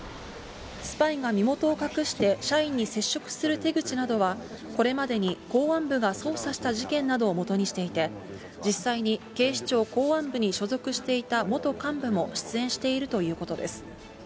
スパイが身元を隠して、社員に接触する手口などは、これまでに公安部が捜査した事件などをもとにしていて、実際に警視庁公安部に所属していた元幹部も出演しているということです。